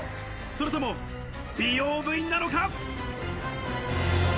それとも、美容部員なのか？